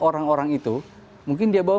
orang orang itu mungkin dia bawa